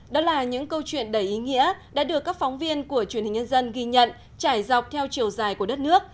đó là những câu chuyện đầy ý nghĩa đã được các phóng viên của truyền hình nhân dân ghi nhận trải dọc theo chiều dài của đất nước